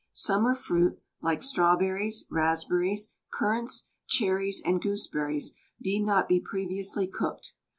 Summer fruit, like strawberries, raspberries, currants, cherries, and gooseberries need not be previously cooked.